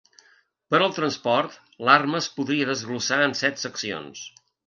Per al transport, l'arma es podria desglossar en set seccions.